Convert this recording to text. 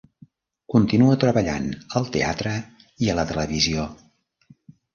Continua treballant al teatre i a la televisió.